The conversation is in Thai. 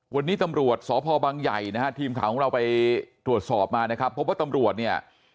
วันนี้ตำรวจสภบางใหญ่ทีมข่าวไปตรวจสอบมาเพราะว่าตำรวจเนี่ย